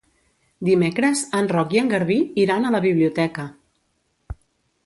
Dimecres en Roc i en Garbí iran a la biblioteca.